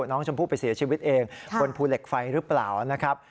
น้องชมพู่ไปเสียชีวิตเองบนภูเหล็กไฟหรือเปล่านะครับ